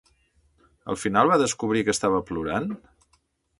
Al final va descobrir que estava plorant?